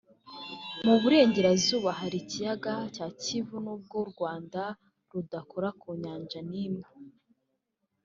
Mu Burengerazuba hari ikiyaga cya Kivu n’ubwo u Rwanda rudakora ku nyanja n’imwe